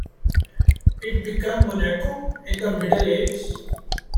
It became "Monaco" in the Middle Ages.